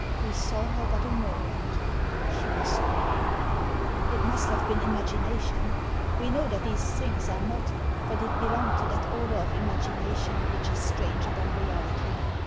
We saw her but a moment — she was gone ! It must have been imagination ; we know that these things are not, but it belonged to that order of imagination which is stranger than reality.